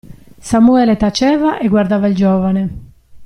Samuele taceva e guardava il giovane.